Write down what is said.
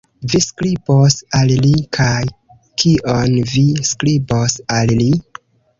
Vi skribos al li! Kaj kion vi skribos al li?